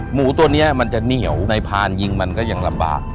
หมูตัวนี้มันจะเหนียวในพานยิงมันก็ยังลำบาก